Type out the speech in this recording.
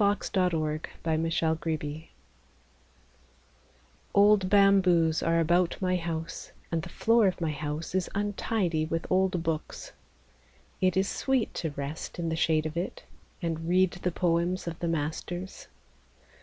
_ ANNAM THE BAMBOO GARDEN Old bamboos are about my house, And the floor of my house is untidy with old books. It is sweet to rest in the shade of it And read the poems of the masters.